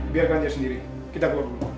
biarkan dia sendiri kita keluar dulu